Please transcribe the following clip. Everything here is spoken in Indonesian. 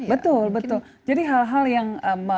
betul betul jadi hal hal yang